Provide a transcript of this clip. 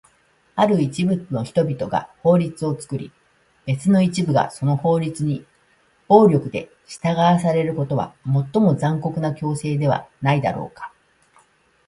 ある一部の人々が法律を作り、別の一部がその法律に暴力で従わされることは、最も残酷な強制ではないだろうか？